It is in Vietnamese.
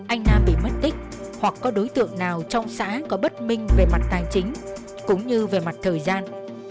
anh nam bị mất tích hoặc có đối tượng nào trong xã có bất minh về mặt tài chính cũng như về mặt thời gian